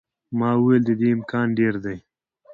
ما وویل، د دې امکان ډېر دی.